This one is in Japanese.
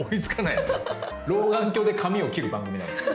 老眼鏡で紙を切る番組なの。